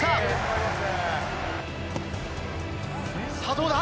どうだ？